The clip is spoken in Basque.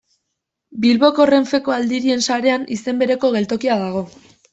Bilboko Renfeko Aldirien sarean izen bereko geltokia dago.